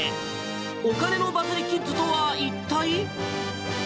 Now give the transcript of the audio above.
お金のバズりキッズとは一体？